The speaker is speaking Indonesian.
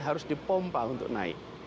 harus dipompa untuk naik